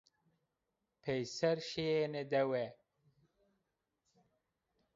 Peyser şîyêne dewe